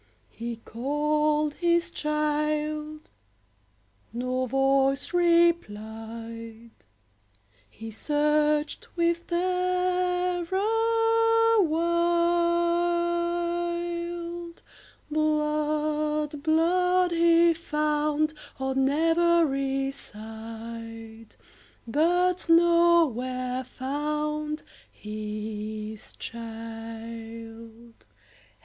He called his child,—no voice replied,—He searched with terror wild; Blood, blood, he found on every side, But nowhere found his child.